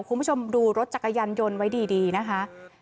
คุณผู้ชมดูรถจักรยานยนต์ไว้ดีนะคะ